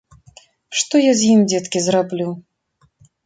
Што я з ім, дзеткі, зраблю?